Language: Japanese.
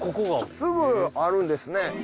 すぐあるんですね。